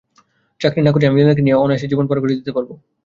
চাকরি না করেই আমি লীনাকে নিয়ে অনায়াসে জীবন পার করে দিতে পারব।